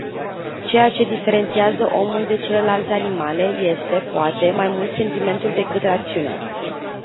Ceea ce diferențiază omul de celelalte animale este, poate, mai mult sentimentul decât rațiunea.